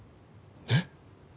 えっ？